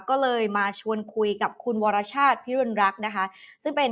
ก็เลยมาชวนคุยกับคุณวรชาติพิรุณรักษ์นะคะซึ่งเป็น